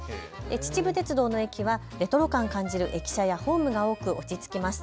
秩父鉄道の駅はレトロ感感じる駅舎やホームが多く落ち着きます。